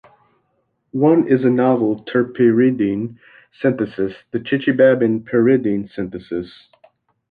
One is a novel terpyridine synthesis, the Chichibabin pyridine synthesis.